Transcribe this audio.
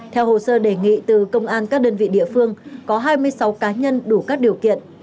theo hồ sơ đề nghị từ công an các đơn vị địa phương có hai mươi sáu cá nhân đủ các điều kiện